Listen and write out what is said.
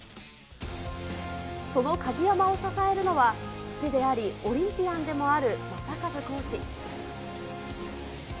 その鍵山を支えるのは、父であり、オリンピアンでもある正和コーチ。